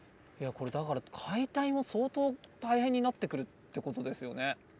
だから解体も相当大変になってくるってことですよね。